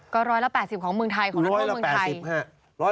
ก็๑๘๐ของทางนักโทษเมืองไทย